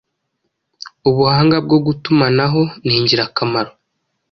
Ubuhanga bwo gutumanaho ningirakamaro